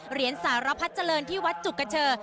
เหรียญสารพระเจริญที่วัดจุคเกียร์เจริญ